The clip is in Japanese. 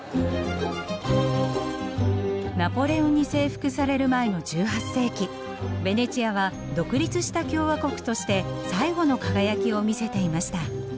ナポレオンに征服される前の１８世紀ベネチアは独立した共和国として最後の輝きを見せていました。